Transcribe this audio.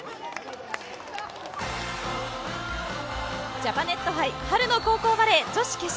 ジャパネット杯春の高校バレー女子決勝。